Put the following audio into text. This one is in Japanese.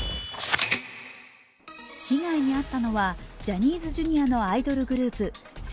被害に遭ったのはジャニーズＪｒ．のアイドルグループ７